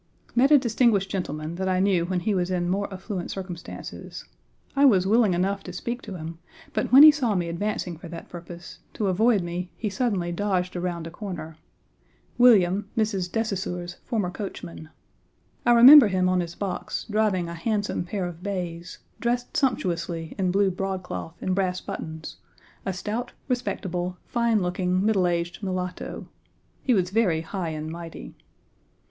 Met a distinguished gentleman that I knew when he was in more affluent circumstances. I was willing enough to speak to him, but when he saw me advancing for that purpose, to avoid me, he suddenly dodged around a corner William, Mrs. de Saussure's former coachman. I remember him on his box, driving a handsome pair of bays, dressed sumptuously in blue broadcloth and brass buttons; a stout, respectable, fine looking, middle aged mulatto. He was very high and mighty.